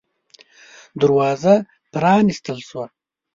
دروازه پرانستل شوه.